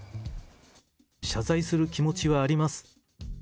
謝罪する気持ちはあります。